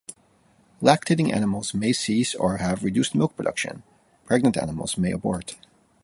Lactating animals may cease or have reduced milk production; pregnant animals may abort.